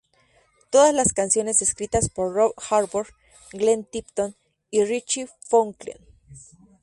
Todas las canciones escritas por Rob Halford, Glenn Tipton y Richie Faulkner